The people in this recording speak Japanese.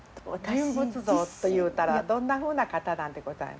人物像というたらどんなふうな方なんでございましょう？